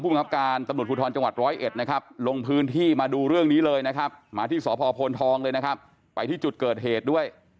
หื้อแค่แต่ว่าถามคำยืนรุ่นกลับไปเทรียมเอาแบบนี้ได้หรือ